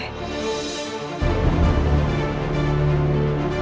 aku mau jadi pria